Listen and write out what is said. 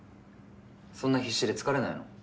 そんな必死で疲れないの？